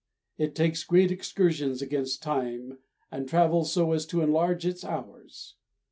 It takes great excursions against time, and travels so as to enlarge its hours.